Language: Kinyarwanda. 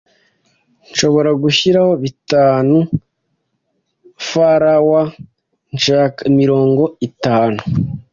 Nshobora gushyiraho bitanu Frw nshaka mirongo itanu